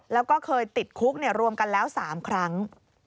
แล้วก็เคยติดคุกรวมกันแล้ว๓ครั้ง